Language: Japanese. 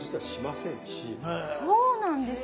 そうなんですか？